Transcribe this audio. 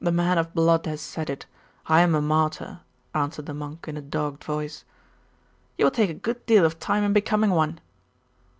'The man of blood has said it. I am a martyr,' answered the monk in a dogged voice. 'You will take a good deal of time in becoming one.